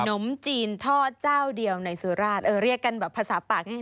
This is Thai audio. นมจีนทอดเจ้าเดียวในสุราชเออเรียกกันแบบภาษาปาก